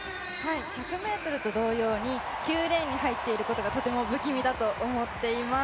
１００ｍと同様に９レーンに入っていることがとても不気味だと思っています。